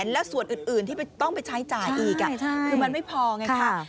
แล้วส่วนอื่นที่ต้องไปใช้จ่ายอีกคือมันไม่พอไงค่ะ